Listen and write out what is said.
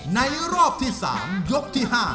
ในรอบที่๓ยกที่๕